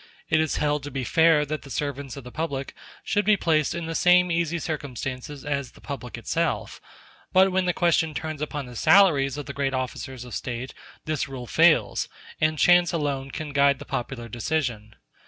It is held to be fair that the servants of the public should be placed in the same easy circumstances as the public itself; *g but when the question turns upon the salaries of the great officers of State, this rule fails, and chance alone can guide the popular decision.